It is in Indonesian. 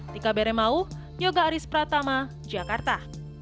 di kaberemau nyoga aris pratama jakarta